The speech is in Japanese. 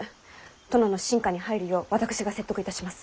殿の臣下に入るよう私が説得いたします。